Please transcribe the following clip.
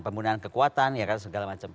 penggunaan kekuatan ya kan segala macam